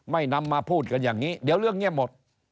นำมาพูดกันอย่างนี้เดี๋ยวเรื่องเงียบหมด